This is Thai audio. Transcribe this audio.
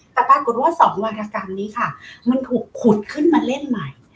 แต่ปรากฏว่า๒วารกรรมนี้ค่ะมันถูกขุดขึ้นมาเล่นใหม่